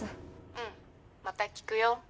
「うん。また聞くよ」